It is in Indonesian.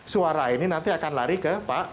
suara ini nanti akan lari ke pak